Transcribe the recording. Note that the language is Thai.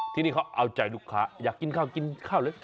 ที่นี่เขาเอาใจลูกค้าอยากกินข้าวกินข้าวเลย